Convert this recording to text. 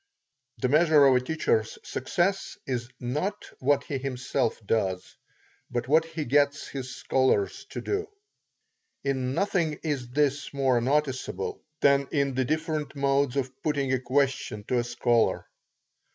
The measure of a teacher's success is not what he himself does, but what he gets his scholars to do. In nothing is this more noticeable, than in the different modes of putting a question to a scholar.